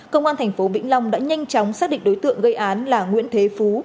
công an thành phố vĩnh long đã nhanh chóng xác định đối tượng gây án là nguyễn thế phú